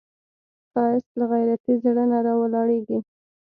ښایست له غیرتي زړه نه راولاړیږي